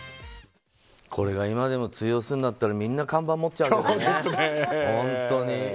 これが今でも通用するんだったらみんな看板持っちゃうよね。